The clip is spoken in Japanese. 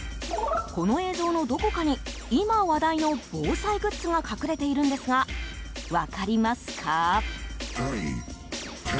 この映像のどこかに今、話題の防災グッズが隠れているんですが分かりますか？